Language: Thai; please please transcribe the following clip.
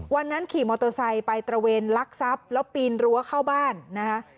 วันนั้นขี่มอเตอร์ไซค์ไปตระเวนลักทรัพย์แล้วปีนรั้วเข้าบ้านนะคะ